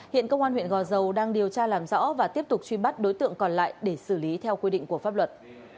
hiện công an huyện gò dầu đang điều tra làm rõ và tiếp tục truy bắt đối tượng còn lại để xử lý theo quy định của pháp luật